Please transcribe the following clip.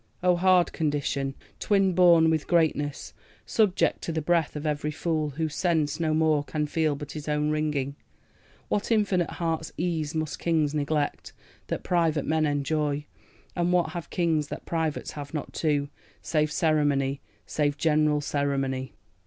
O hard condition! twin born with greatness, Subject to the breath of every fool, whose sense No more can feel but his own wringing! What infinite heart's ease must kings neglect, That private men enjoy? And what have kings that privates have not too, Save ceremony, save general ceremony?